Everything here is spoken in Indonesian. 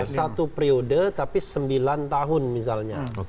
satu periode tapi sembilan tahun misalnya